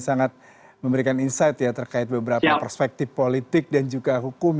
sangat memberikan insight ya terkait beberapa perspektif politik dan juga hukum